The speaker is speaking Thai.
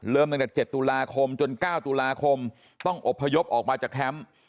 ตั้งแต่๗ตุลาคมจน๙ตุลาคมต้องอบพยพออกมาจากแคมป์